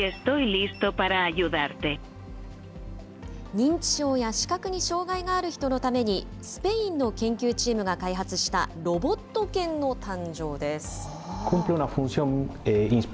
認知症や視覚に障害がある人のために、スペインの研究チームが開発したロボット犬の誕生です。